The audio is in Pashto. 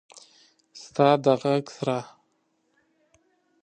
ستا د ږغ سره…